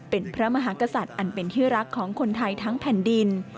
เป็นพระมหากษัตริย์อันเป็นที่รักของคนไทยทั้งแผ่นดิน